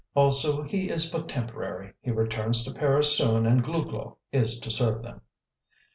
Also, he is but temporary; he returns to Paris soon and Glouglou is to serve them."